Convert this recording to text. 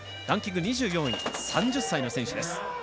ランキング２４位３０歳の選手です。